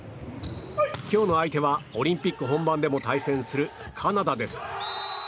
今日の相手はオリンピック本番でも対戦するカナダです。